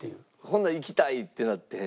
ほんなら行きたいってなって？